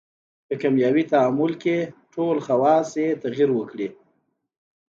په کیمیاوي تعامل کې ټول خواص یې تغیر وکړي.